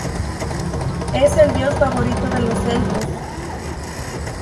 Es el dios favorito de los elfos.